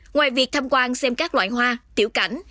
ngoài việc tham quan xem các loại hoa tiểu cảnh